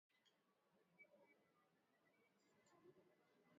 safari ya kwanza ya titanic ilikuwa mbaya zaidi katika historia